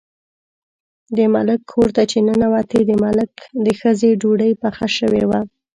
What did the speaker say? د ملک کور ته چې ننوتې، د ملک د ښځې ډوډۍ پخه شوې وه.